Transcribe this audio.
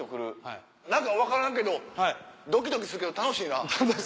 何か分からんけどドキドキするけど楽しいな。